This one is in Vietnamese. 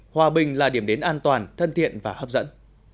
hòa bình là điểm đến an toàn thân thiện và hấp dẫn